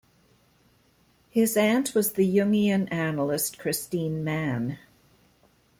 His aunt was the Jungian analyst Kristine Mann.